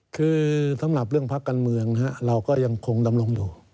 คือสำหรับเรื่องพักการเมืองเราก็ยังคงดำรงอยู่